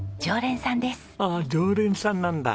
ああ常連さんなんだ。